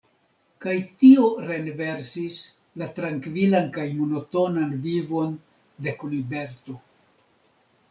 Kaj tio renversis la trankvilan kaj monotonan vivon de Kuniberto.